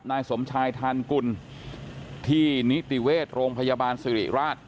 นายสมชายทานกุลที่นิติเวชโรงพยาบาลสิริราช